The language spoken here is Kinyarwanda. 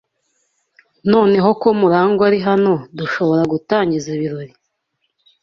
Noneho ko Murangwa ari hano, dushobora gutangiza ibirori.